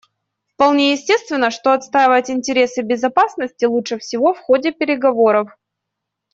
Вполне естественно, что отстаивать интересы безопасности лучше всего в ходе переговоров.